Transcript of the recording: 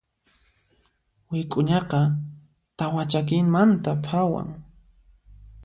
Wik'uñaqa tawa chakimanta phawan.